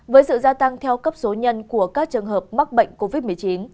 với sự gia tăng theo cấp số nhân của các trường hợp mắc bệnh covid một mươi chín